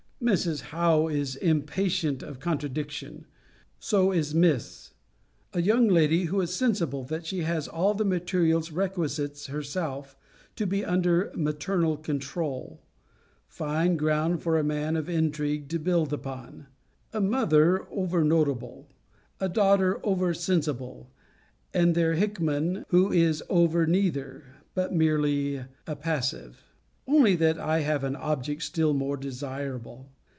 See Vol. I. Letter XXXI. Mrs. Howe is impatient of contradiction. So is Miss. A young lady who is sensible that she has all the materials requisites herself, to be under maternal controul; fine ground for a man of intrigue to build upon! A mother over notable; a daughter over sensible; and their Hickman, who is over neither: but merely a passive Only that I have an object still more desirable